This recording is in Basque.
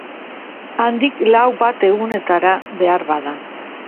Handik lau bat egunetara, beharbada.